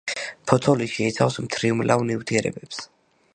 ფოთოლი შეიცავს მთრიმლავ ნივთიერებებს.